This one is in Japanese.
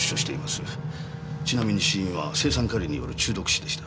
ちなみに死因は青酸カリによる中毒死でした。